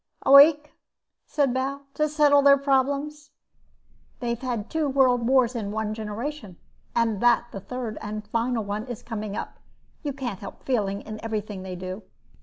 "A week?" said Bal. "To settle their problems? They've had two world wars in one generation and that the third and final one is coming up you can't help feeling in everything they do."